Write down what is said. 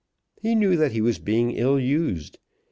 He knew that he was being ill used.